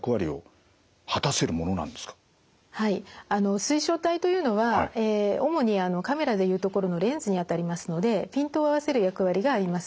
水晶体というのは主にカメラで言うところのレンズにあたりますのでピントを合わせる役割があります。